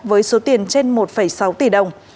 với số tiền trên một sáu tỷ đồng